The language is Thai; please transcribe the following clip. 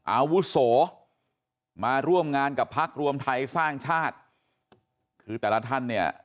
อาวุโสมาร่วมงานกับพักรวมไทยสร้างชาติคือแต่ละท่านเนี่ย